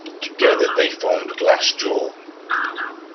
Together they formed Glassjaw.